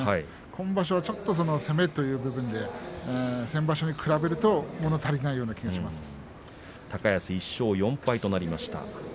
今場所は攻めという部分で先場所に比べると高安１勝４敗となりました。